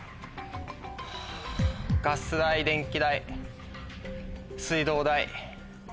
ガス代電気代水道代。